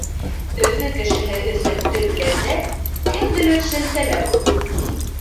Өфө кешеһе өсөн төп ләззәт — кемделер шелтәләү.